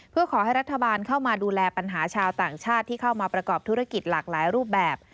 เพื่อขอให้รัฐบาลเข้ามาดูแลปัญหาชาวต่างชาติที่เข้ามาประกอบธุรกิจหลากหลายรูปแบบ